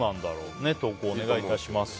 投稿、お願い致します。